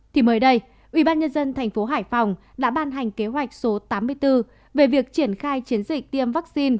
thì mới đây ubnd tp hải phòng đã ban hành kế hoạch số tám mươi bốn về việc triển khai chiến dịch tiêm vaccine